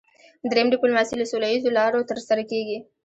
دریم ډیپلوماسي له سوله اییزو لارو ترسره کیږي